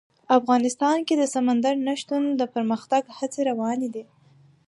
افغانستان کې د سمندر نه شتون د پرمختګ هڅې روانې دي.